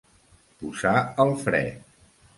Posar el fre.